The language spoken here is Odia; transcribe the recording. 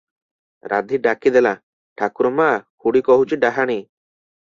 ରାଧୀ ଡାକି ଦେଲା "ଠାକୁର ମା, ଖୁଡି କହୁଛି ଡାହାଣୀ ।"